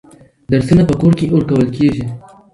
درسونه په کور کي ورکول کېږي.